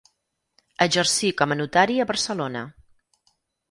Exercí com a notari a Barcelona.